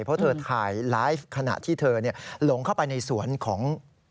เพราะเธอถ่ายไลฟ์ขณะที่เธอหลงเข้าไปในสวนของ